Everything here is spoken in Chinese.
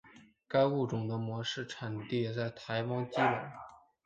该物种的模式产地在台湾基隆。